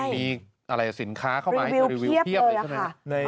มีสินค้าเข้ามาให้รีวิวเพียบเลยค่ะ